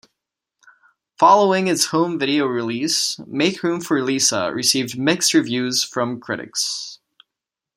Following its home video release, "Make Room for Lisa" received mixed reviews from critics.